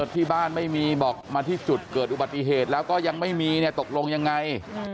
ที่บ้านไม่มีบอกมาที่จุดเกิดอุบัติเหตุแล้วก็ยังไม่มีเนี่ยตกลงยังไง